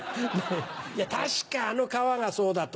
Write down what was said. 確かあの川がそうだと。